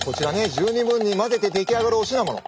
十二分にまぜて出来上がるお品物。